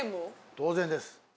当然です。